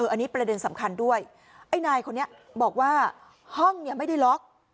อันนี้ประเด็นสำคัญด้วยไอ้นายคนนี้บอกว่าห้องเนี่ยไม่ได้ล็อก